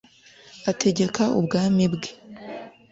ategeka ubwami bwe.